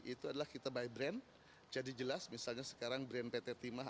itu adalah kita by brand jadi jelas misalnya sekarang brand pt timah